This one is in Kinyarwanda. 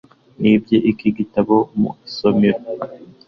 nibye iki gitabo mu isomero